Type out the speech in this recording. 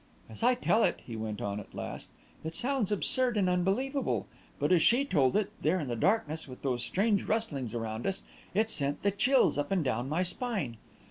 "As I tell it," he went on, at last, "it sounds absurd and unbelievable; but as she told it, there in the darkness, with those strange rustlings round us, it sent the chills up and down my spine.